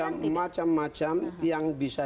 kita bisa menghasilkan